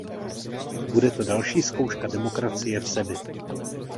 Bude to další zkouška demokracie v zemi.